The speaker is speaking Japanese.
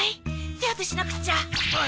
手当てしなくっちゃ。